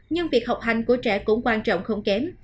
nhưng việc học hành của trẻ cũng quan trọng không kém